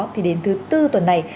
thì đến thứ bốn tuần này